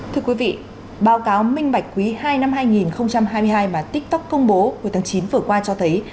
thưa quý vị báo cáo minh bạch quý ii năm hai nghìn hai mươi hai mà tiktok công bố hồi tháng chín vừa qua cho thấy